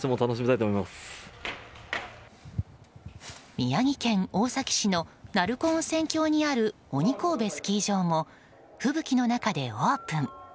宮崎県大崎市の鳴子温泉郷にあるオニコウベスキー場も吹雪の中でオープン。